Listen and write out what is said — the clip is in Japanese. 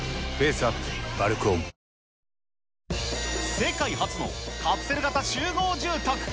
世界初のカプセル型集合住宅。